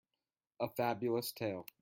A Fabulous tale.